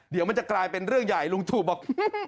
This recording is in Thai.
เดี๋ยวมันจะกลายเป็นเรื่องใหญ่ลุงถูกบอก